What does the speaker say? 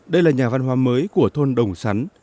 đây là nhà văn hóa mới của thôn đồng sắn